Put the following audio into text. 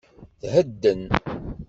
Thedden.